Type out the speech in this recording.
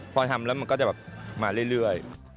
พอทำแล้วมันก็จะแบบมาเรื่อย